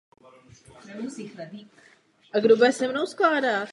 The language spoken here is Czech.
Rostliny jsou často trnité.